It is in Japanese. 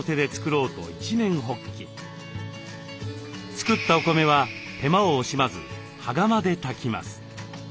作ったお米は手間を惜しまず羽釜で炊きます。